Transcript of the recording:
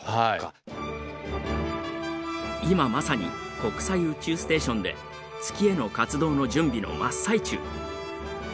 今まさに国際宇宙ステーションで月への活動の準備の真っ最中。